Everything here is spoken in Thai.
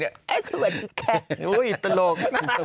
อุ้ยตลก